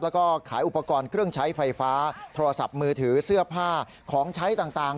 แล้วก็ขายอุปกรณ์เครื่องใช้ไฟฟ้าโทรศัพท์มือถือเสื้อผ้าของใช้ต่าง